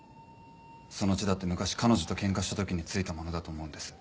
その血だって昔彼女とケンカした時についたものだと思うんです。